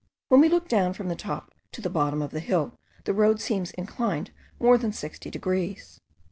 When we look down from the top to the bottom of the hill the road seems inclined more than 60 degrees.